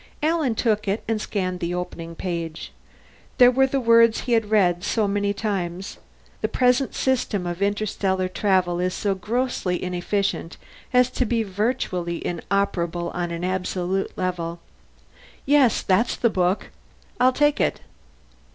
Alan took it and scanned the opening page. There were the words he had read so many times: "The present system of interstellar travel is so grossly inefficient as to be virtually inoperable on an absolute level." "Yes, that's the book. I'll take it."